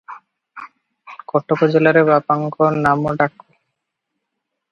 କଟକ ଜିଲ୍ଲାରେ ବାପାଙ୍କ ନାମଡାକ ।